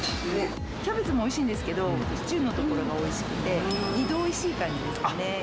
キャベツもおいしいんですけど、シチューのところがおいしくて、２度おいしい感じですね。